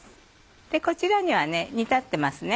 こちらには煮立ってますね。